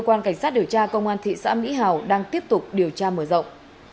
cơ quan cảnh sát điều tra công an thị xã mỹ hào đang tiếp tục điều tra mở rộng